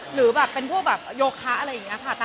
หรือเป็นพวกโยคะอะไรนี้ค่ะ